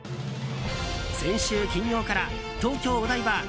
先週金曜から、東京・お台場